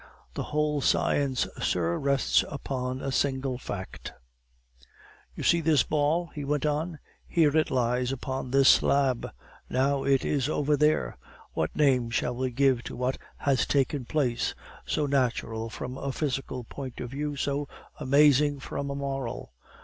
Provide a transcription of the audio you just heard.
The whole science, sir, rests upon a single fact. "You see this ball," he went on; "here it lies upon this slab. Now, it is over there. What name shall we give to what has taken place, so natural from a physical point of view, so amazing from a moral?